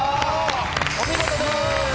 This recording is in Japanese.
お見事です！